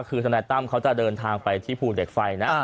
คือทนายตั้มเขาจะเดินทางไปที่ภูเหล็กไฟนะ